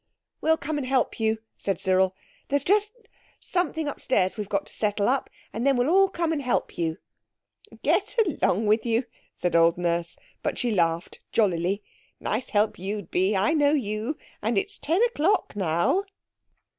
"We'll come and help you," said Cyril. "There's just something upstairs we've got to settle up, and then we'll all come and help you." "Get along with you," said old Nurse, but she laughed jollily. "Nice help you'd be. I know you. And it's ten o'clock now."